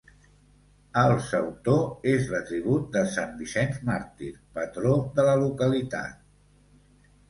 El sautor és l'atribut de sant Vicenç màrtir, patró de la localitat.